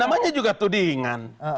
namanya juga tudingan